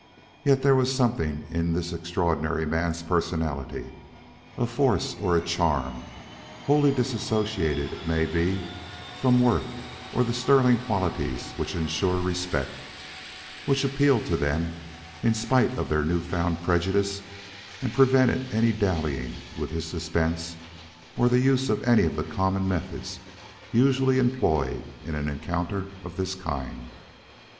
Yet there was something in this extraordinary man's personality a force or a charm wholly dissociated it may be from worth or the sterling qualities which insure respect which appealed to them in spite of their new found prejudice, and prevented any dallying with his suspense or the use of any of the common methods usually employed in an encounter of this kind.